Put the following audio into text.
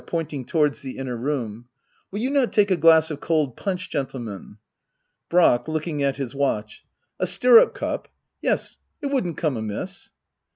[Pointing towards the inner room,] Will you not take a glass of cold punchy gentlemen ? Brack. [Looking at his watch.] A stirrup cup ? Yes^ it wouldn't come amiss.